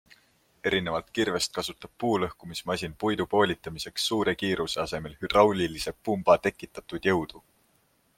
Erinevalt kirvest kasutab puulõhkumismasin puidu poolitamiseks suure kiiruse asemel hüdraulilise pumba tekitatud jõudu.